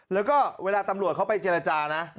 แล้วก็เวลาตำรวจเขาไปเจรจานะ